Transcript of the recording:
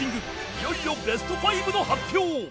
いよいよベスト５の発表